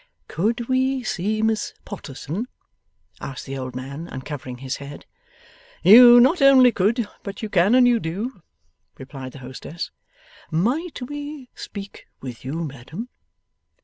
'Could we see Miss Potterson?' asked the old man, uncovering his head. 'You not only could, but you can and you do,' replied the hostess. 'Might we speak with you, madam?